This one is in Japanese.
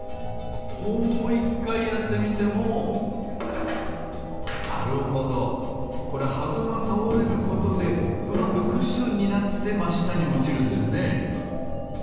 もう１かいやってみてもなるほどこれはこがたおれることでうまくクッションになってましたにおちるんですね。